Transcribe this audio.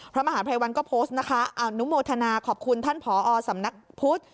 พระมหาภัยวันก็โพสต์นะคะอนุโมทนาขอบคุณท่านผอสำนักพุทธ